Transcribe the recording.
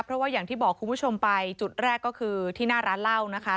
เพราะว่าอย่างที่บอกคุณผู้ชมไปจุดแรกก็คือที่หน้าร้านเหล้านะคะ